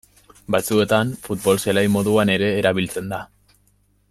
Batzuetan futbol zelai moduan ere erabiltzen da.